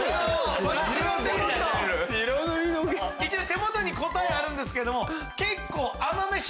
手元に答えあるんですけど。